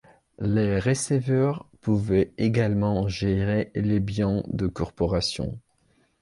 Les receveurs pouvaient également gérer les biens de corporations.